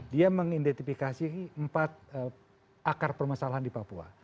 dia mengidentifikasi empat akar permasalahan di papua